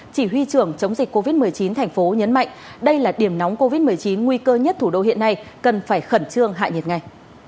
chỉ huy trưởng chống dịch covid một mươi chín thành phố nhấn mạnh đây là điểm nóng covid một mươi chín nguy cơ nhất thủ đô hiện nay cần phải khẩn trương hạ nhiệt ngay